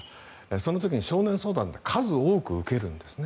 その時に少年相談って数多く受けるんですね。